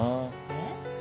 えっ？